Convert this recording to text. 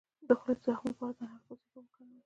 د خولې د زخم لپاره د انار د پوستکي اوبه وکاروئ